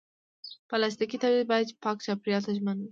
پلاستيکي تولید باید پاک چاپېریال ته ژمن وي.